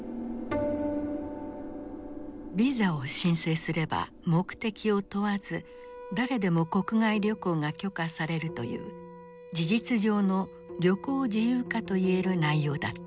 ビザを申請すれば目的を問わず誰でも国外旅行が許可されるという事実上の旅行自由化といえる内容だった。